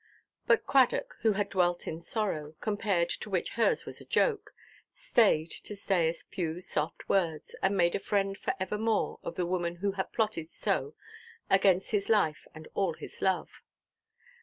But Cradock, who had dwelt in sorrow, compared to which hers was a joke, stayed to say a few soft words, and made a friend for evermore of the woman who had plotted so against his life and all his love.